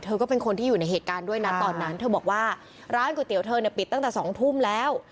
ก็เป็นคนที่อยู่ในเหตุการณ์ด้วยนะตอนนั้นเธอบอกว่าร้านก๋วยเตี๋ยวเธอเนี่ยปิดตั้งแต่๒ทุ่มแล้ว